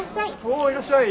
いらっしゃい。